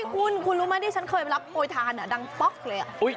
คุณคุณรู้ไหมที่ฉันเคยไปรับโอยทานดังป๊อกเลย